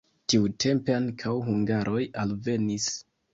Tiutempe ankaŭ hungaroj alvenis.